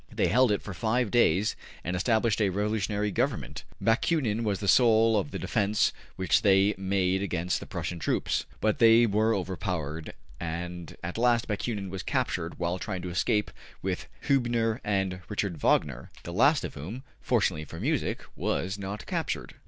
They held it for five days and established a revolutionary government. Bakunin was the soul of the defense which they made against the Prussian troops. But they were overpowered, and at last Bakunin was captured while trying to escape with Heubner and Richard Wagner, the last of whom, fortunately for music, was not captured.